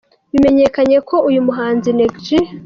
Bimenyekanye ko uyu muhanzi Neg G.